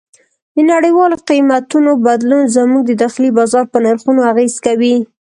د نړیوالو قیمتونو بدلون زموږ د داخلي بازار په نرخونو اغېز کوي.